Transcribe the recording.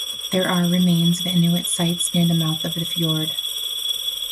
There are remains of Inuit sites near the mouth of the fjord.